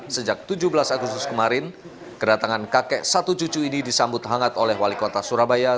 sejak tujuh belas agustus kemarin kedatangan kakek satu cucu ini disambut hangat oleh wali kota surabaya